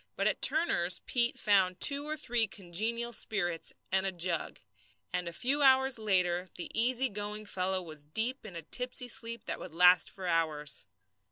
But at Turner's Pete found two or three congenial spirits and a jug; and a few hours later the easy going fellow was deep in a tipsy sleep that would last for hours.